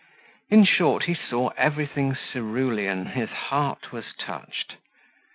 In short he saw everything cerulean, his heart was touched.